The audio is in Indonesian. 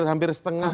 itu hampir setengah